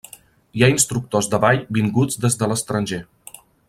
Hi ha instructors de ball vinguts des de l'estranger.